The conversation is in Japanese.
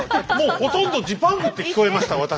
もうほとんど「ジパング」って聞こえました